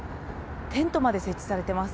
テントまで設置されています。